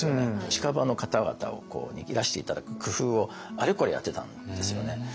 近場の方々にいらして頂く工夫をあれこれやってたんですよね。